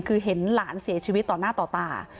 คือเห็นหลานเสียชีวิตต่อหน้าต่อตา